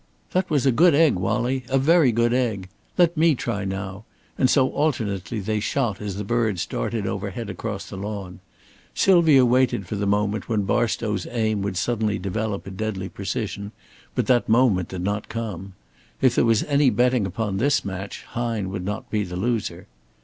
"That was a good egg, Wallie. A very good egg. Let me try now!" and so alternately they shot as the birds darted overhead across the lawn. Sylvia waited for the moment when Barstow's aim would suddenly develop a deadly precision, but that moment did not come. If there was any betting upon this match, Hine would not be the loser.